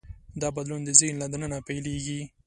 دا بدلون د ذهن له دننه پیلېږي.